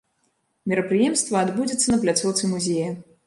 Мерапрыемства адбудзецца на пляцоўцы музея.